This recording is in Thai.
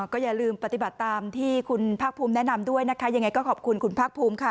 ก็อย่าลืมปฏิบัติตามที่คุณภาคภูมิแนะนำด้วยนะคะยังไงก็ขอบคุณคุณภาคภูมิค่ะ